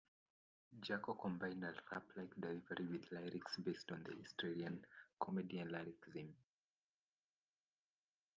Jacko combined a rap-like delivery with lyrics based on Australian comedy and larrikinism.